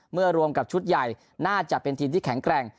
รวมกับชุดใหญ่น่าจะเป็นทีมที่แข็งแกร่ง